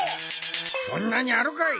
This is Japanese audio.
そんなにあるかい！